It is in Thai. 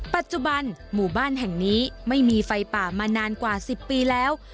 ปัจจุบันหมู่บ้านแห่งนี้ไม่มีไฟป่ามานานกว่า๑๐ปีแล้ว